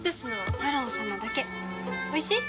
おいしい？